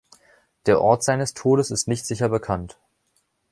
Der Ort seines Todes ist nicht sicher bekannt.